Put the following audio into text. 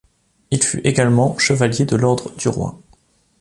Il fut également chevalier de l'Ordre du Roi.